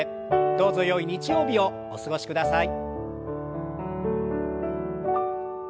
どうぞよい日曜日をお過ごしください。